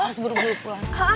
harus buru buru pulang